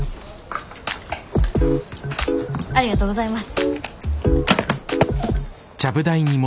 ありがとうございます。